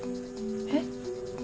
えっ？